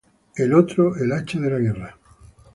El otro, el hacha de la guerra.